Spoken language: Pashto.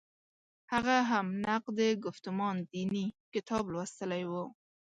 هغه هم «نقد ګفتمان دیني» کتاب لوستلی و.